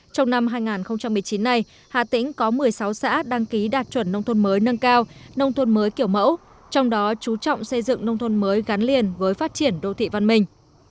trong năm hai nghìn một mươi chín này hà tĩnh có một mươi sáu xã đăng ký đạt chuẩn nông thôn mới nâng cao nông thôn mới kiểu mẫu trong đó chú trọng xây dựng nông thôn mới gắn liền với phát triển đô thị văn minh